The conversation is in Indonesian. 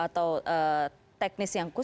atau teknis yang khusus